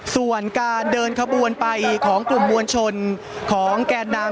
ส่วนการเดินขบวนไปของกลุ่มมวลชนของแกนนำ